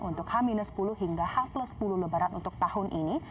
untuk h sepuluh hingga h sepuluh lebaran untuk tahun ini